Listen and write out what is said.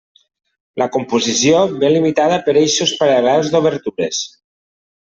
La composició ve limitada pels eixos paral·lels d'obertures.